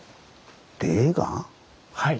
はい。